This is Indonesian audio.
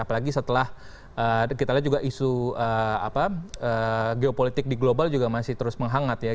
apalagi setelah kita lihat juga isu geopolitik di global juga masih terus menghangat ya